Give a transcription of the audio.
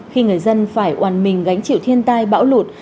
khi người dân phải oàn mình gánh chịu thiên tai bão lụt